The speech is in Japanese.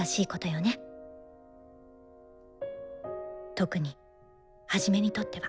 特にハジメにとっては。